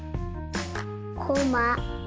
こま。